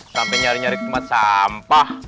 sampai nyari nyari tempat sampah